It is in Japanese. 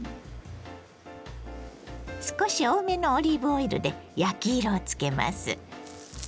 少し多めのオリーブオイルで焼き色をつけます。